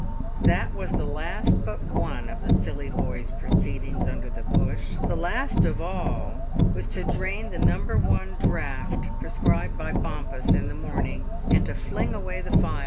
That was the last but one of the silly boy's proceedings under the bush; the last of all was to drain the number one draught prescribed by Bompas in the morning, and to fling away the phial.